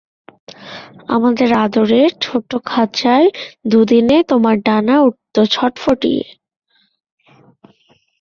আমার আদরের ছোটো খাঁচায় দুদিনে তোমার ডানা উঠত ছটফটিয়ে।